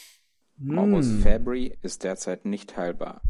Morbus Fabry ist derzeit nicht heilbar.